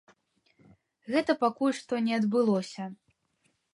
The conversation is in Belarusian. Гэта пакуль што не адбылося.